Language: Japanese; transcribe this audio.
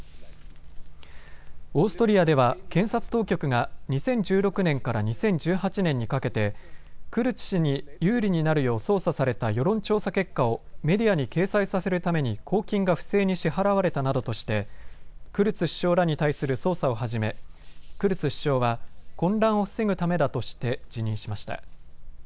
オーストリアでは検察当局が２０１６年から２０１８年にかけてクルツ氏に有利になるよう操作された世論調査結果をメディアに掲載させるために公金が不正に支払われたなどとしてクルツ首相らに対する捜査を始め、クルツ首相は混乱を防ぐためだとして辞任しました。